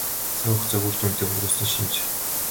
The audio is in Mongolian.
Цаг хугацааг үр дүнтэй өнгөрөөсний шинж.